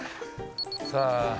さあ。